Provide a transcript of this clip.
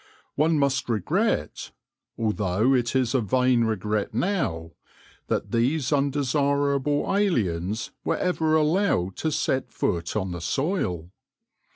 One must regret, although it is a vain regret now, that these undesirable aliens were ever allowed to set foot on the soil.